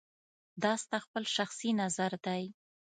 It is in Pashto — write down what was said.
دا ستا خپل شخصي نظر دی